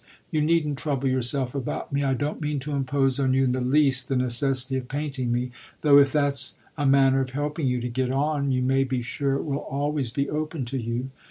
You needn't trouble yourself about me; I don't mean to impose on you in the least the necessity of painting me, though if that's a manner of helping you to get on you may be sure it will always be open to you.